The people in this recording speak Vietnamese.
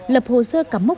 lập hồ sơ cắm mốc